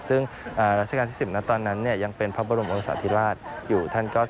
ซึ่งราชกาลที่สิบณตอนนั้นยังเป็นพระบรมอุตสาธิราชอยู่ท่านกอส